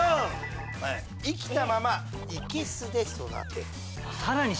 「生きたまま生簀で育てる」。